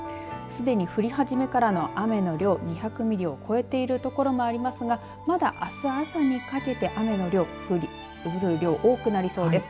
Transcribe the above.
すでに降り始めからの雨の量２００ミリを超えている所もありますがまだあす朝にかけて雨の降る量多くなりそうです。